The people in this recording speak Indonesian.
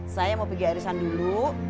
saya mau pergi arisan dulu